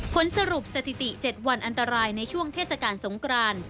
ผลสรุปสถิติ๗วันอันตรายในช่วงเทศกาลสงคราน